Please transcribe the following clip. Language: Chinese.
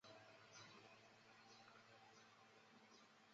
在美国获得图书馆学博士学位。